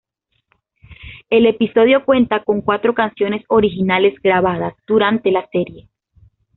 El episodio cuenta con cuatro canciones originales grabadas, durante la serie.